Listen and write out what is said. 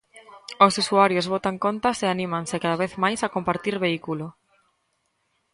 Os usuarios botan contas e anímanse cada vez máis a compartir vehículo.